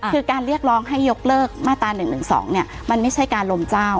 คือการเรียกร้องให้ยกเลิกมาตรา๑๑๒มันไม่ใช่การลมเจ้า